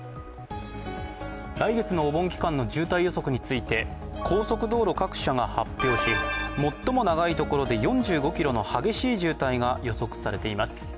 来月のお盆期間の渋滞予測について、高速道路各社が発表し最も長いところで４５ｋｍの激しい渋滞が予測されています。